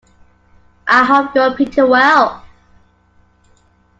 I hope you are pretty well?